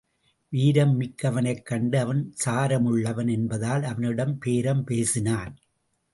வீரம் மிக்கவனைக் கண்டு அவன் சாரமுள்ளவன் என்பதால் அவனிடம் பேரம் பேசினான்.